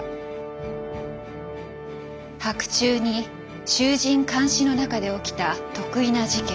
白昼に衆人環視の中で起きた特異な事件。